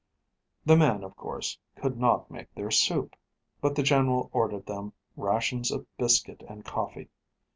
The men, of course, could not make their soup; but the general ordered them rations of biscuit and coffee.